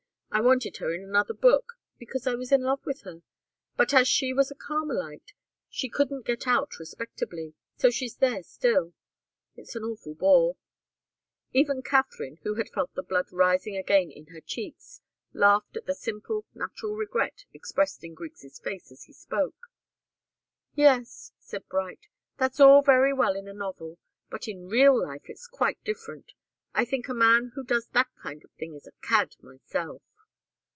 I wanted her in another book because I was in love with her but as she was a Carmelite, she couldn't get out respectably, so she's there still. It's an awful bore." Even Katharine, who had felt the blood rising again in her cheeks, laughed at the simple, natural regret expressed in Griggs' face as he spoke. "Yes," said Bright. "That's all very well in a novel. But in real life it's quite different. I think a man who does that kind of thing is a cad, myself."